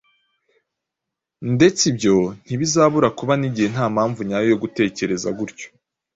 ndetse ibyo ntibizabura kuba n’igihe nta mpamvu nyayo yo gutekereza gutyo.